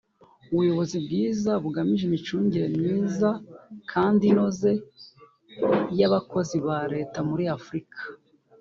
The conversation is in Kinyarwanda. ‘Ubuyobozi Bwiza bugamije Imicungire Myiza kandi inoze y’Abakozi ba Leta muri Afurika’